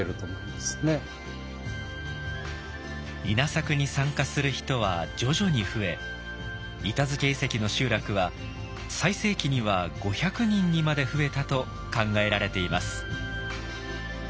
稲作に参加する人は徐々に増え板付遺跡の集落は最盛期には５００人にまで増えたと考えられています。